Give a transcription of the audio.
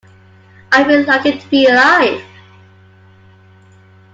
I feel lucky to be alive.